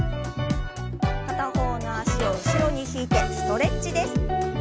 片方の脚を後ろに引いてストレッチです。